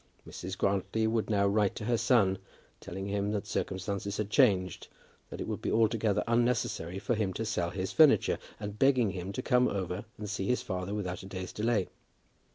Mrs. Grantly would now write to her son, telling him that circumstances had changed, that it would be altogether unnecessary for him to sell his furniture, and begging him to come over and see his father without a day's delay.